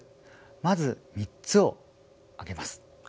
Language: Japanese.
まず３つを挙げます。